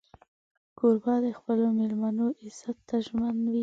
کوربه د خپلو مېلمنو عزت ته ژمن وي.